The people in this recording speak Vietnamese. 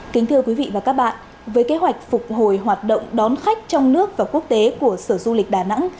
kính thưa quý vị và các bạn với kế hoạch phục hồi hoạt động đón khách trong nước và quốc tế của sở du lịch đà nẵng